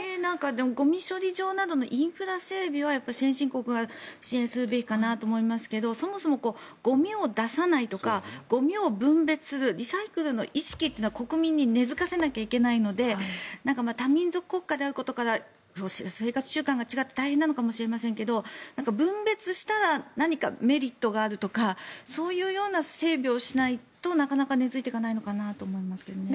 でもゴミ処分場などのインフラ整備はやっぱり先進国が支援するべきかなと思いますけどそもそもゴミを出さないとかゴミを分別するリサイクルの意識は、国民に根付かせないといけないので多民族国家であることから生活習慣が違って大変なのかもしれませんけど分別したら何か、メリットがあるとかそういう整備をしないとなかなか根付いていかないのかなと思いますけどね。